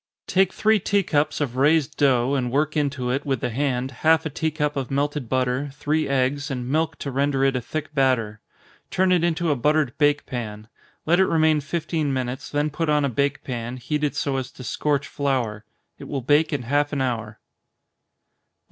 _ Take three tea cups of raised dough, and work into it, with the hand, half a tea cup of melted butter, three eggs, and milk to render it a thick batter. Turn it into a buttered bake pan let it remain fifteen minutes, then put on a bake pan, heated so as to scorch flour. It will bake in half an hour. 154.